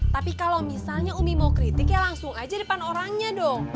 tapi kalau misalnya umi mau kritik ya langsung aja depan orangnya dong